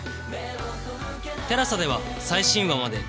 ＴＥＬＡＳＡ では最新話まで全話配信中